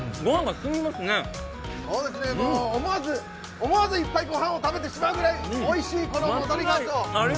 そうですね、思わずいっぱい御飯を食べてしまうぐらいおいしい、この戻りがつお！